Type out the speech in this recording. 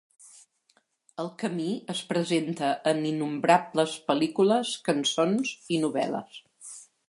El camí es presenta en innombrables pel·lícules, cançons i novel·les.